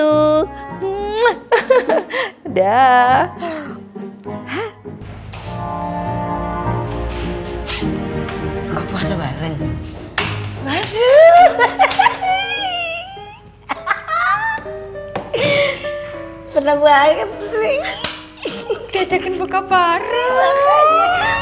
mwah hehehe daaah buka puasa bareng waduh hehehe seneng banget sih diajakin buka bareng